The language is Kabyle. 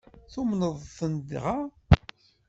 Tumneḍ-ten dɣa?